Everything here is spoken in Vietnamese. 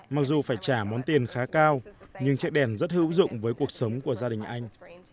mặc dù phải trả món tiền khá cao nhưng chiếc đèn rất hữu dụng với cuộc sống của gia đình anh